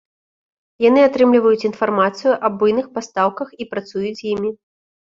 Яны атрымліваюць інфармацыю аб буйных пастаўках і працуюць з імі.